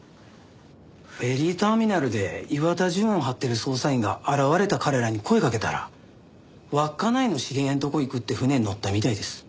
フェリーターミナルで岩田純を張ってる捜査員が現れた彼らに声かけたら稚内の知り合いのとこ行くって船に乗ったみたいです。